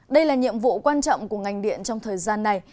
đây là nhiệm vụ quan trọng của ngành điện trong thời gian này